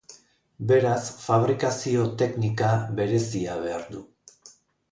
Beraz, fabrikazio-teknika berezia behar du.